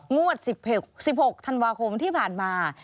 งวด๑๖ธันวาคมที่ผ่านมา